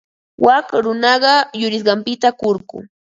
Wak runaqa yurisqanpita kurku.